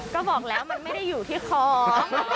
ก็บอกแล้วมันไม่ได้อยู่ที่คล้อง